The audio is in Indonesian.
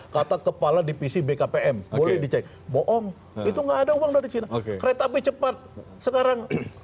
kata kepala divisi bkpm mulai dicek bohong itu enggak ada uang dari cina oke tapi cepat sekarang